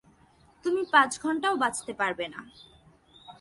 তুমি পাচ ঘন্টাও বাচতে পারবে না।